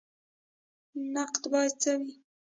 نقد باید څنګه وي؟